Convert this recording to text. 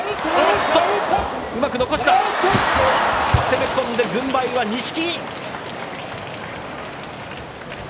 攻め込んで軍配は錦木。